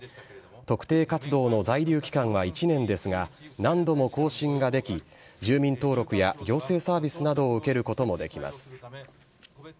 特定活動の在留期間は１年ですが、何度も更新ができ、住民登録や行政サービスなどを受けることもできます。